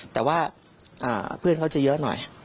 แต่ว่าเพื่อนเขาจะเยอะหน่อย